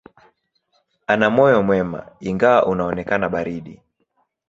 Ana moyo mwema, ingawa unaonekana baridi.